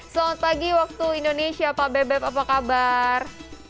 selamat pagi waktu indonesia pak bebep apa kabar